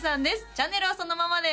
チャンネルはそのままで